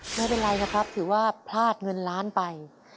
ไม่เป็นไรนะครับถือว่าพลาดเงินล้านไป